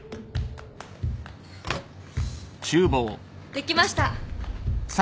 できました。